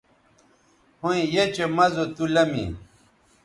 ھویں یھ چہء مَزو تُو لمی